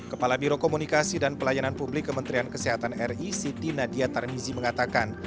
kepala biro komunikasi dan pelayanan publik kementerian kesehatan ri siti nadia tarmizi mengatakan